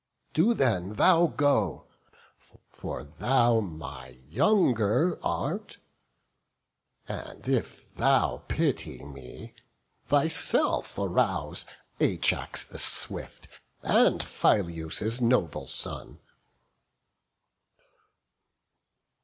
Do thou then go (for thou my younger art), And if thou pity me, thyself arouse Ajax the swift, and Phyleus' noble son."